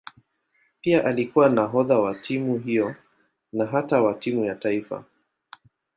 Pia alikuwa nahodha wa timu hiyo na hata wa timu ya taifa.